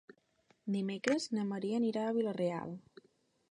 Dimecres na Maria anirà a Vila-real.